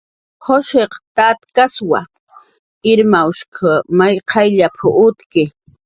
"Jushiq tatkaswa, Irmawshq may qayllp"" utki"